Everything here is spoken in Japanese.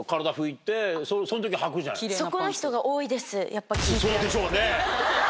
やっぱ聞いてると。